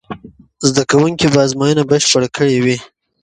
زده کوونکي به ازموینه بشپړه کړې وي.